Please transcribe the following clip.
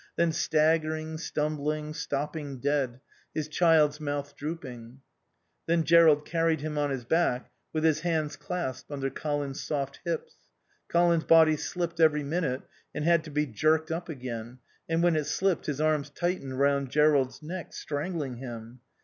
Then staggering, stumbling, stopping dead; his child's mouth drooping. Then Jerrold carried him on his back with his hands clasped under Colin's soft hips. Colin's body slipped every minute and had to be jerked up again; and when it slipped his arms tightened round Jerrold's neck, strangling him.